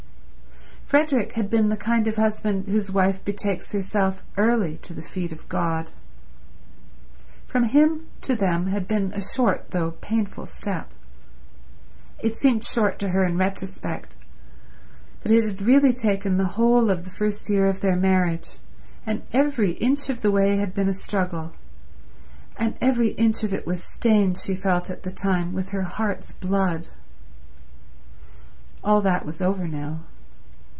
Frederick had been the kind of husband whose wife betakes herself early to the feet of God. From him to them had been a short though painful step. It seemed short to her in retrospect, but it had really taken the whole of the first year of their marriage, and every inch of the way had been a struggle, and every inch of it was stained, she felt at the time, with her heart's blood. All that was over now.